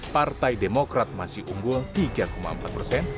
partai demokrat masih unggul tiga empat persen